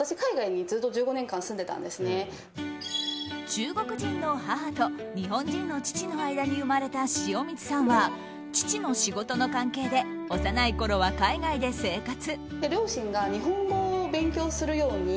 中国人の母と日本人の父の間に生まれた塩満さんは父の仕事の関係で幼いころは海外で生活。